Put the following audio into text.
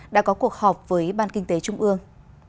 đã có cuộc họp với ban kinh tế trung ương